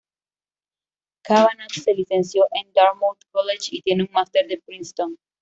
Cavanagh se licenció en Dartmouth College y tiene un máster de Princeton.